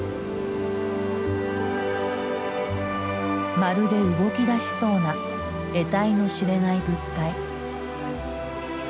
まるで動きだしそうなえたいの知れない物体。